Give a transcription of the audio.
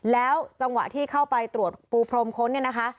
แล้วจังหวะที่เข้าไปตรวจปูพรมค้นเนี่ยนะคะ